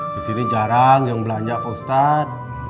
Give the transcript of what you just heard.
disini jarang yang belanja pak ustadz